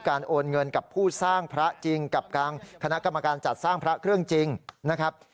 โอนเงินกับผู้สร้างพระจริงกับทางคณะกรรมการจัดสร้างพระเครื่องจริงนะครับ